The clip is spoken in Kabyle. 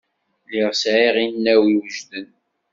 Lliɣ sɛiɣ inaw iwejden.